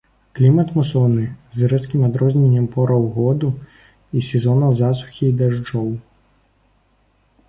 Клімат мусонны, з рэзкім адрозненнем пораў году і сезонаў засухі і дажджоў.